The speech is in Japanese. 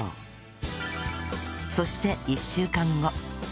そして１週間後